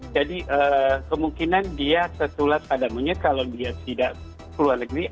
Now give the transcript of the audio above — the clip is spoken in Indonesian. jadi kemungkinan dia tertulat pada monyet kalau dia tidak keluar negeri